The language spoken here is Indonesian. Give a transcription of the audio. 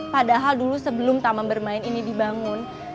padahal dulu sebelum taman bermain ini dibangun